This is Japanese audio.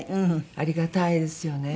ありがたいですよね。